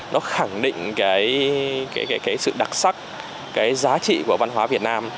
nó khẳng định sự đặc sắc giá trị của văn hóa việt nam